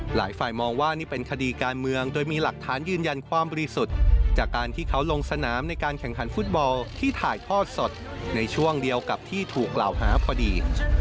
หลายฝ่ายมองว่านี่เป็นคดีการเมืองโดยมีหลักฐานยืนยันความบริสุทธิ์จากการที่เขาลงสนามในการแข่งขันฟุตบอลที่ถ่ายทอดสดในช่วงเดียวกับที่ถูกกล่าวหาพอดี